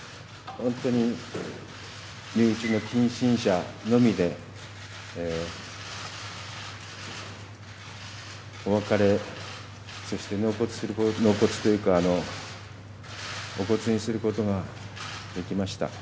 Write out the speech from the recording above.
本当に身内の近親者のみで、お別れ、そして納骨というか、お骨にすることができました。